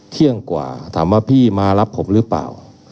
เที่ยงกว่าถามว่าพี่มารับผมหรือเปล่า